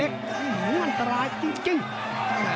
อุ้ยหวัดระหายจริง